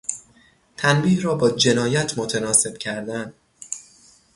تنبیه را با جنایت متناسب کردن